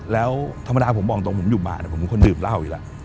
แล้วธรรมดาผมบอกตรงผมอยู่บ้านผมเป็นคนดื่มเหล้าอยู่แล้ว